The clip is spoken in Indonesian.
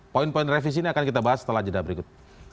poin poin revisi ini akan kita bahas setelah jeda berikut